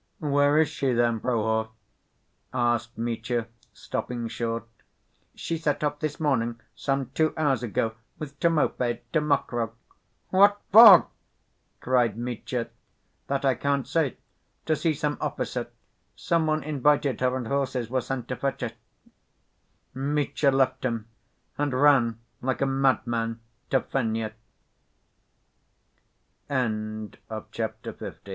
"Where is she then, Prohor?" asked Mitya, stopping short. "She set off this evening, some two hours ago, with Timofey, to Mokroe." "What for?" cried Mitya. "That I can't say. To see some officer. Some one invited her and horses were sent to fetch her." Mitya left him, and ran like a madman to Fenya. Chapter V.